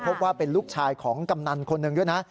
ว่าเป็นลูกชายของกำนันคนหนึ่งด้วยนะ